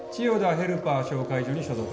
ヘルパー紹介所に所属